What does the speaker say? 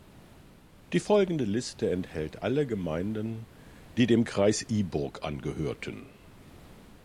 Die folgende Liste enthält alle Gemeinden, die dem Kreis Iburg angehörten.